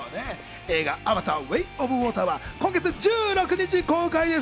映画『アバター：ウェイ・オブ・ウォーター』は今月１６日公開です。